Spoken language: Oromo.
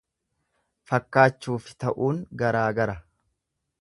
Fakkaachuufi ta'uun garaa gara.